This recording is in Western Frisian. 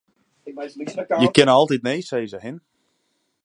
Je kinne altyd nee sizze, hin.